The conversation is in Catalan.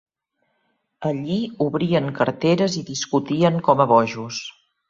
Allí obrien carteres i discutien com a bojos